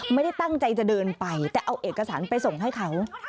ไม่ได้ตั้งใจจะเดินไปแต่เอาเอกสารไปส่งให้เขา